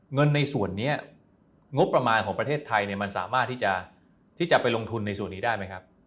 เงินในส่วนนี้งบประมาณของประเทศไทยมันสามารถที่จะไปลงทุนในส่วนนี้ได้ไหมครับ